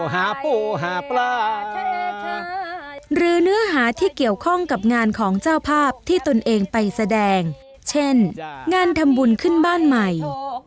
ปู่หาปลาหรือเนื้อหาที่เกี่ยวข้องกับงานของเจ้าภาพที่ตนเองไปแสดงเช่นงานทำบุญขึ้นบ้านใหม่